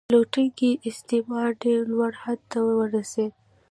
لوټونکی استثمار ډیر لوړ حد ته ورسید.